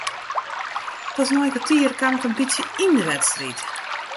Pas nei in kertier kaam ik in bytsje yn de wedstriid.